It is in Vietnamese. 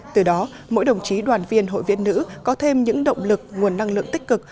từ đó mỗi đồng chí đoàn viên hội viên nữ có thêm những động lực nguồn năng lượng tích cực